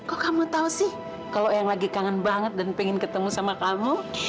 kok kamu tau sih kalau yang lagi kangen banget dan pengen ketemu sama kamu